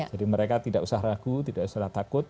jadi mereka tidak usah ragu tidak usah takut